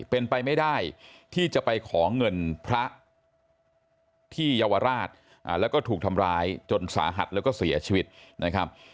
เป็นไปไม่ได้ที่จะไปขอเงินพระที่เยาวราชแล้วก็ถูกทำร้ายจนสาหัสแล้วก็เสียชีวิตนะครับ